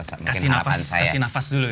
harapan saya kasih nafas dulu